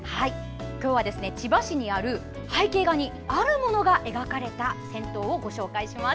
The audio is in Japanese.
今日は千葉市にある背景画にあるものが描かれた銭湯をご紹介します。